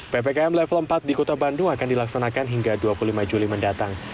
ppkm level empat di kota bandung akan dilaksanakan hingga dua puluh lima juli mendatang